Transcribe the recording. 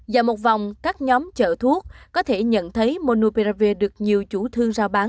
dạo một vòng các nhóm chợ thuốc có thể nhận thấy monopiravir được nhiều chủ thương rao bán